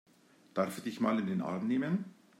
Darf ich dich mal in den Arm nehmen?